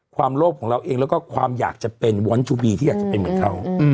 ความโลภของเราเองแล้วก็ความอยากจะเป็นวนที่จะอยากเป็นเหมือนเขา